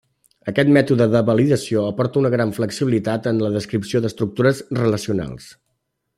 Aquest mètode de validació aporta una gran flexibilitat en la descripció d'estructures relacionals.